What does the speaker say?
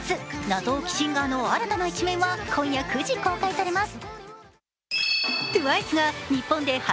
謎多きシンガーの新たな一面は今夜９時、公開されます。